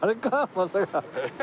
まさか。